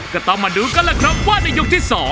ก็ต้องมาดูกันแหละครับว่าในยกที่๒